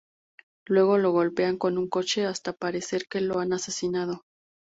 Luego lo golpean con un coche hasta parecer que lo han asesinado.